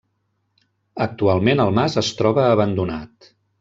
Actualment el mas es troba abandonat.